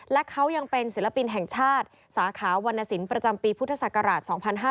และเขายังเป็นศิลปินแห่งชาติสาขาวรรณสินประจำปีพุทธศักราช๒๕๕๙